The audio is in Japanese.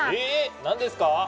え何ですか？